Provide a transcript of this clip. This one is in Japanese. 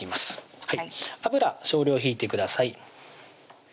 油少量引いてください